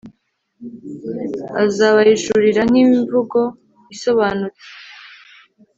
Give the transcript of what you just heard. azabahishurira nkimvugo isobanutse